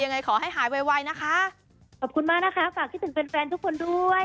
ยังไงขอให้หายไวนะคะขอบคุณมากนะคะฝากคิดถึงแฟนแฟนทุกคนด้วย